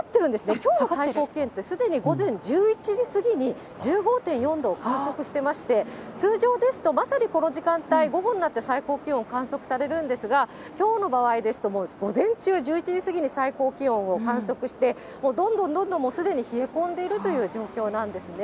きょうの最高気温って、すでに午前１１時過ぎに１５．４度を観測していまして、通常ですと、まさにこの時間帯、午後になって最高気温、観測されるんですが、きょうの場合ですともう午前中、１１時過ぎに最高気温を観測して、どんどんどんどん、もうすでに冷え込んでいるという状況なんですね。